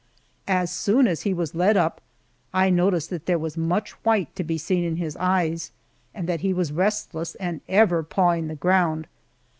As soon as he was led up I noticed that there was much white to be seen in his eyes, and that he was restless and ever pawing the ground.